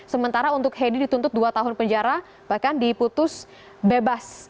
sementara untuk hedi dituntut dua tahun penjara bahkan diputus bebas